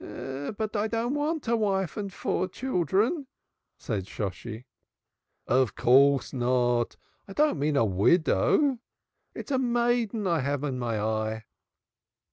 "But I don't want a wife and four children," said Shosshi. "No, of course not. I don't mean a widow. It is a maiden I have in my eye."